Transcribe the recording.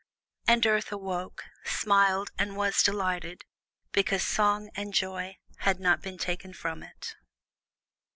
The earth awoke, smiled, and was delighted, because Song and Joy had not been taken from it.